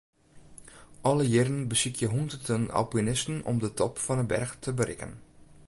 Alle jierren besykje hûnderten alpinisten om de top fan 'e berch te berikken.